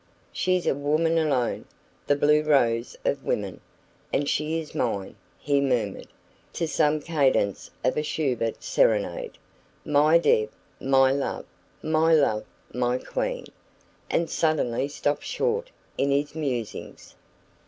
She's a woman alone the blue rose of women and she is mine." He murmured, to some cadence of a Schubert serenade: "My Deb! My love! My love! My queen!" and suddenly stopped short in his musings.